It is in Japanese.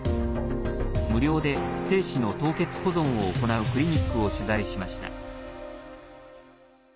無料で精子の凍結保存を行うクリニックを取材しました。